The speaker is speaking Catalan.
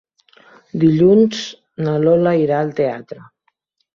Dilluns na Lola irà al teatre.